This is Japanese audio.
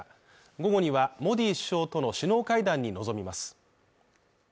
午後には、モディ首相との首脳会談に臨みます。